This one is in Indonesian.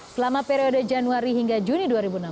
selama periode januari hingga juni dua ribu enam belas